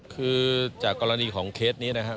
คือจากกรณีของเคสนี้นะครับ